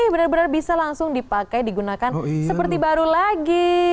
benar benar bisa langsung dipakai digunakan seperti baru lagi